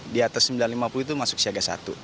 di atas sembilan ratus lima puluh itu masuk siaga satu